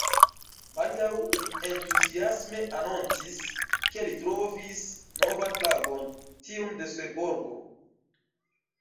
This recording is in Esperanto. Baldaŭ li entuziasme anoncis, ke li trovis novan flagon: tiun de Seborgo.